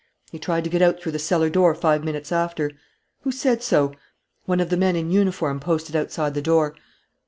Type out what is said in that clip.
"He tried to get out through the cellar door five minutes after." "Who said so?" "One of the men in uniform posted outside the door."